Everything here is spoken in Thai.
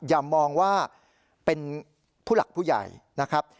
อย่ามองว่าเป็นผู้หลักผู้ใหญ่นะครับ